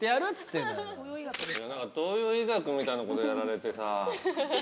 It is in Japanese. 何か東洋医学みたいなことやられてさぁ。